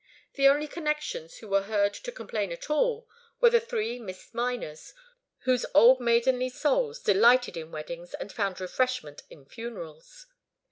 The only connections who were heard to complain at all were the three Miss Miners, whose old maidenly souls delighted in weddings and found refreshment in funerals.